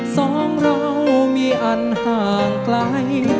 สองเรามีอันห่างไกล